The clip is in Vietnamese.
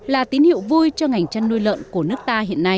là tín hiệu vui cho ngành chăn nuôi lợn của nước ta hiện nay